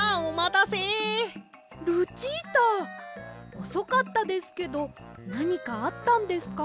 おそかったですけどなにかあったんですか？